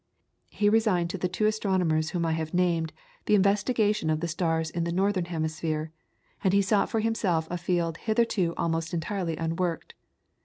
He resigned to the two astronomers whom I have named the investigation of the stars in the northern hemisphere, and he sought for himself a field hitherto almost entirely unworked.